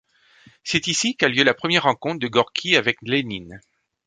C'est ici qu'a lieu la première rencontre de Gorki avec Lénine.